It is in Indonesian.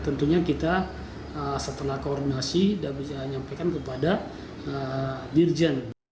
tentunya kita setelah koordinasi bisa nyampaikan kepada dirjen